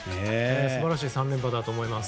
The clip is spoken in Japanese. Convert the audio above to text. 素晴らしい３連覇だと思います。